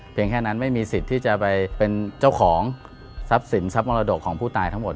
แค่นั้นไม่มีสิทธิ์ที่จะไปเป็นเจ้าของทรัพย์สินทรัพย์มรดกของผู้ตายทั้งหมด